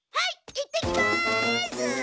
行ってきます！